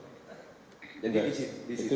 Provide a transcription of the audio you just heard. jadi di situ di situ